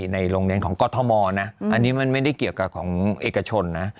ในโรงเรียนของกรทมนะอันนี้มันไม่ได้เกี่ยวกับของเอกชนนะ